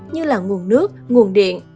như là nguồn nước nguồn điện